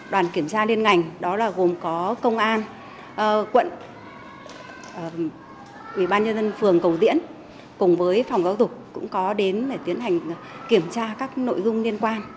đoàn kiểm tra liên ngành đó là gồm có công an quận ủy ban nhân dân phường cầu diễn cùng với phòng giáo dục cũng có đến để tiến hành kiểm tra các nội dung liên quan